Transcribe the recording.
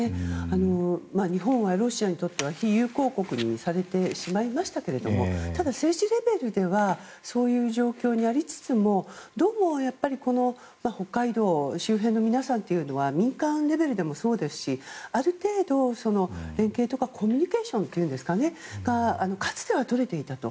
日本はロシアにとっては非友好国にされてしまいましたがただ、政治レベルではそういう状況にありつつもどうもやっぱり北海道周辺の皆さんというのは民間レベルでもそうですしある程度、連携とかコミュニケーションがかつては取れていたと。